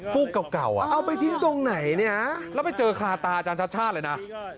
ฟูกเก่าเอาไปทิ้งตรงไหนเนี่ยแล้วไปเจอคาตาอาจารย์ชัดชาติเลยนะ